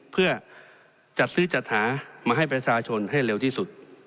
เพื่อจัดซื้อจัดหามาให้ประชาชนให้เร็วที่สุด